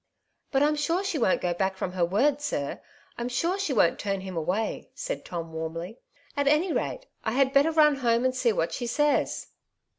" But Fm sure she won't go back from her word, sir; I'm sure she won't turn him away," said Tom warmly. "At any rate I had better run home and see what she says."